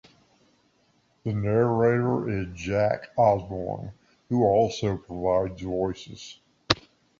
The narrator is Jack Osborn, who also provides the voices.